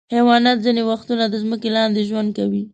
حیوانات ځینې وختونه د ځمکې لاندې ژوند کوي.